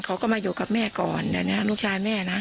เขาก็มาอยู่กับแม่ก่อนเดี๋ยวนี้ลูกชายแม่นะ